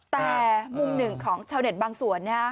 แต่มุมหนึ่งของชาวเน็ตบางส่วน